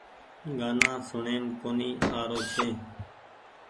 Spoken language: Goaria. گآنا سوڻيم ڪونيٚ آ رو ڇي